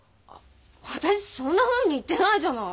わたしそんなふうに言ってないじゃない。